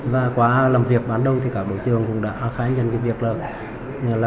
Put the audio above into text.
và qua làm việc bắn đầu thì cả đội trường cũng đã khai nhân cái việc là